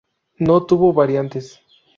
No tuvo variantes.